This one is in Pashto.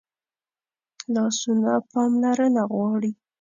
لاسونه پاملرنه غواړي